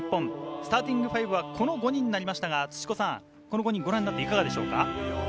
スターティングファイブはこの５人になりましたが土子さん、ご覧になっていかがでしょうか？